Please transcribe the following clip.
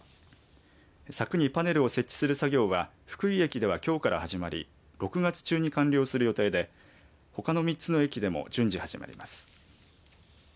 柵にパネルを設置する作業は福井駅では、きょうから始まり６月中に完了する予定でほかの３つの駅でも順次始まります。